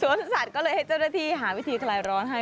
สวนสัตว์ก็เลยให้เจ้าหน้าที่หาวิธีคลายร้อนให้